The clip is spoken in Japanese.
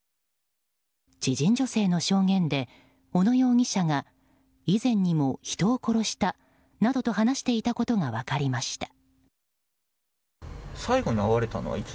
知人女性の証言で小野容疑者が以前にも人を殺したなどと話していたことが分かりました。